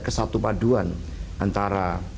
kesatu paduan antara